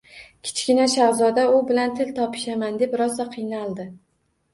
Kichkina shahzoda u bilan til topishaman deb rosa qiynaldi.